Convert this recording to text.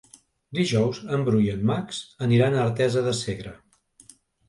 Dijous en Bru i en Max aniran a Artesa de Segre.